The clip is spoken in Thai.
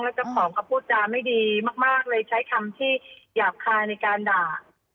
เจ้าของเขาพูดจาไม่ดีมากเลยใช้คำที่หยาบคายในการด่า